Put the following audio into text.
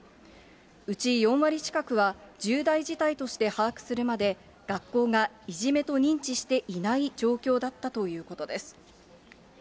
うち４割近くは、重大事態として把握するまで、学校がいじめと認知していない状況だったということです。